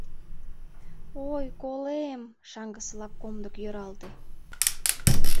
— Ой, колем! — шаҥгысылак комдык йӧралте.